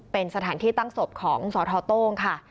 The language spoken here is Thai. เป็นสถานที่ตั้งศพของสทโต้งค่ะ